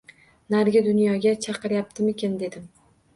Narigi dunyoga chaqiryaptimikan dedim